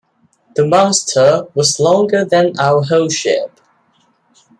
The monster was longer than our whole ship.